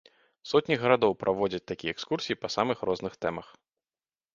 Сотні гарадоў праводзяць такія экскурсіі па самых розных тэмах.